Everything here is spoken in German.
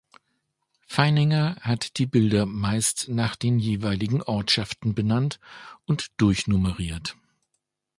Feininger hat die Bilder meist nach den jeweiligen Ortschaften benannt und durchnummeriert.